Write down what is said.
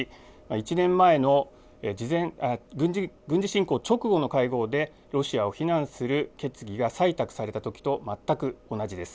１年前の軍事侵攻直後の会合でロシアを非難する決議が採択された時と全く同じです。